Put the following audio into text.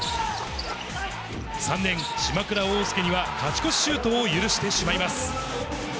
３年、島倉欧佑には勝ち越しシュートを許してしまいます。